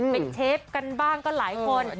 เป็นเชฟกันบ้างก็หลายคน